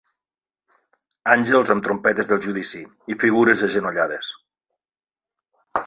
Àngels amb trompetes del judici i figures agenollades